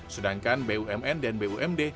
sedangkan bumn dan bumd